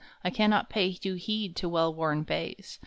I cannot pay due heed To well worn bays.